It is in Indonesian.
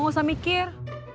gak usah mikir